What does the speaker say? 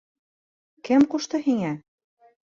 Кем ҡушты һиңә?!